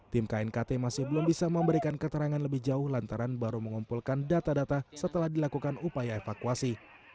tim knkt masih belum bisa memberikan keterangan lebih jauh lantaran baru mengumpulkan data data setelah dilakukan upaya evakuasi